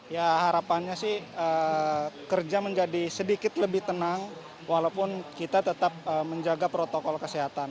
ya harapannya sih kerja menjadi sedikit lebih tenang walaupun kita tetap menjaga protokol kesehatan